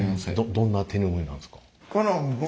どんな手ぬぐいなんですか？